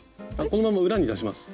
このまま裏に出します。